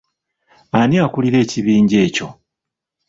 Ani akulira ekibinja ekyo?